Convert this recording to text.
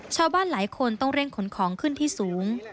ชาวบ้านหลายคนต้องเร่งขนของขึ้นที่สูง